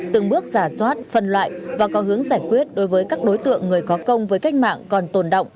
từng bước giả soát phân loại và có hướng giải quyết đối với các đối tượng người có công với cách mạng còn tồn động